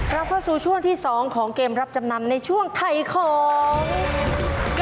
เราเข้าสู่ช่วงที่๒ของเกมรับจำนำในช่วงไทยของ